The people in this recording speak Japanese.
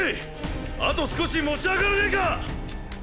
あと少し持ち上がらねか！？